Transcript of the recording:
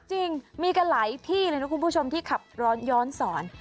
จริงมีกันหลายที่เลยนะคุณผู้ชมที่ขับย้อนสอน